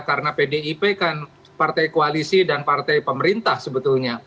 karena pdip kan partai koalisi dan partai pemerintah sebetulnya